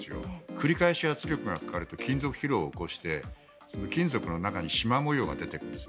繰り返し圧力がかかると金属疲労を起こして金属の中にしま模様が出てくるんです。